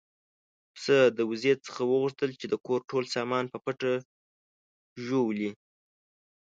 پسه د وزې څخه وغوښتل چې د کور ټول سامان په پټه ژوولی.